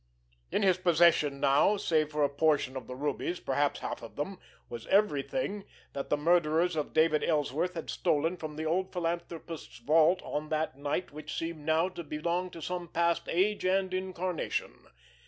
In his possession now, save for a portion of the rubies, perhaps half of them, was everything that the murderers of David Ellsworth had stolen from the old philanthropist's vault on that night which seemed now to belong to some past age and incarnation.